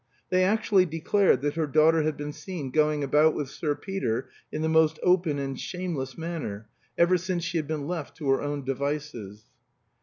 They actually declared that her daughter had been seen going about with Sir Peter in the most open and shameless manner, ever since she had been left to her own devices.